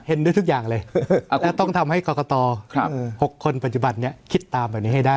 ได้ทุกอย่างเลยและต้องทำให้กรกต๖คนปัจจุบันนี้คิดตามแบบนี้ให้ได้